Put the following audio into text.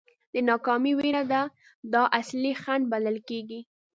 د ناکامۍ وېره ده دا اصلي خنډ بلل کېږي.